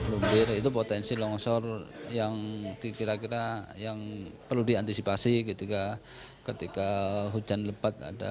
lumpir itu potensi longsor yang dikira kira yang perlu diantisipasi ketika hujan lebat ada